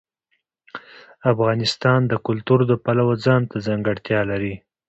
افغانستان د کلتور د پلوه ځانته ځانګړتیا لري.